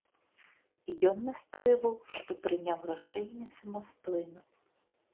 Ён настойваў, што прыняў рашэнне самастойна.